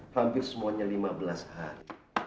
hampir semuanya lima belas hari